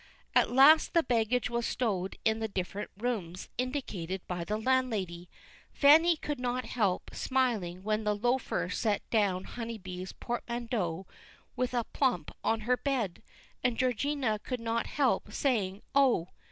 At last the baggage was stowed in the different rooms indicated by the landlady. Fanny could not help smiling when the loafer set down Honeybee's portmanteau with a plump on her bed; and Georgina could not help saying "Oh!"